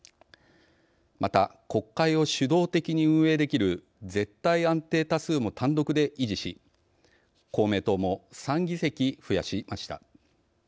また国会を主導的に運営できる絶対安定多数も単独で維持し公明党も３議席増やしました。